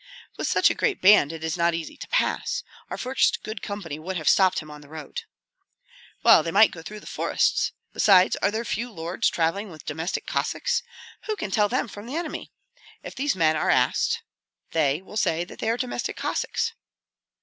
"With such a great band it is not easy to pass. Our first good company would have stopped him on the road." "Well, they might go through the forests. Besides, are there few lords travelling with domestic Cossacks? Who can tell them from the enemy? If these men are asked they will say that they are domestic Cossacks."